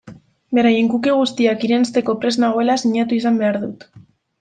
Beraien cookie guztiak irensteko prest nagoela sinatu behar izan dut.